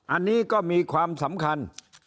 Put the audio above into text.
อันนี้ก็มีความสำคัญ